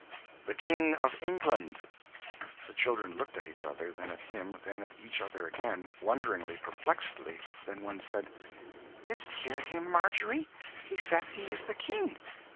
"The King of England." The children looked at each other then at him then at each other again wonderingly, perplexedly; then one said "Didst hear him, Margery? he said he is the King.